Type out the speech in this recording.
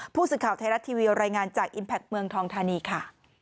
ผู้สื่อข่าวไทยรัฐทีวีรายงานจากอิมแพคเมืองทองธานีค่ะ